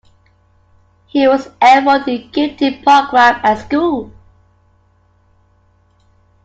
He was enrolled in a gifted program at school.